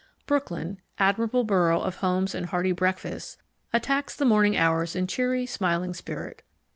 Brooklyn, admirable borough of homes and hearty breakfasts, attacks the morning hours in cheery, smiling spirit.